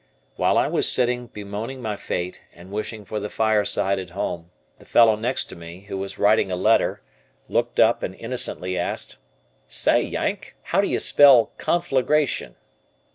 While I was sitting bemoaning my fate, and wishing for the fireside at home, the fellow next to me, who was writing a letter, looked up and innocently asked, "Say, Yank, how do you spell 'conflagration'?"